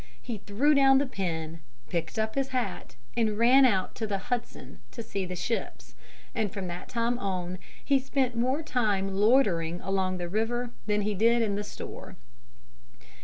He threw down the pen, picked up his hat and ran out to the Hudson to see the ships, and from that time on he spent more time loitering along the river than he did in the store.